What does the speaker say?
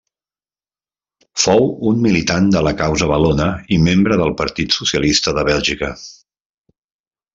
Fou un militant de la causa valona i membre del Partit Socialista de Bèlgica.